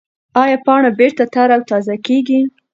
ایا پاڼه بېرته تر او تازه کېږي؟